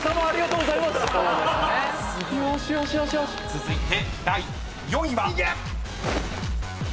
［続いて第４位は］